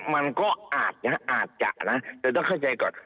มันก็อาจจะนะแต่ต้องเข้าใจก่อน